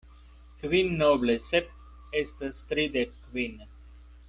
Kvinoble sep estas tridek kvin.